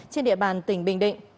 trên địa bàn tỉnh bình định